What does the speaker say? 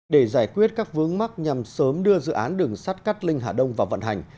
để giải quyết các vướng mắc nhằm sớm đưa dự án đường sắt cát linh hà đông vào vận hành